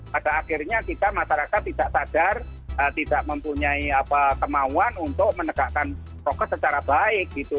pada akhirnya kita masyarakat tidak sadar tidak mempunyai kemauan untuk menegakkan prokes secara baik gitu